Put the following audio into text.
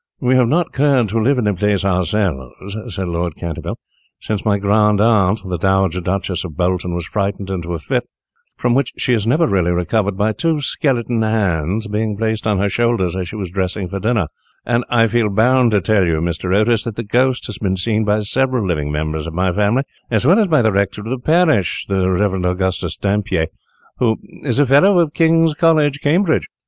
"We have not cared to live in the place ourselves," said Lord Canterville, "since my grandaunt, the Dowager Duchess of Bolton, was frightened into a fit, from which she never really recovered, by two skeleton hands being placed on her shoulders as she was dressing for dinner, and I feel bound to tell you, Mr. Otis, that the ghost has been seen by several living members of my family, as well as by the rector of the parish, the Rev. Augustus Dampier, who is a Fellow of King's College, Cambridge.